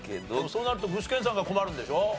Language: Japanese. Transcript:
そうなると具志堅さんが困るんでしょ？